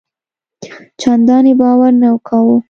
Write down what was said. چنداني باور نه کاوه.